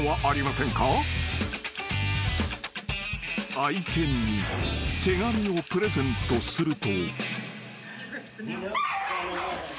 ［愛犬に手紙をプレゼントすると］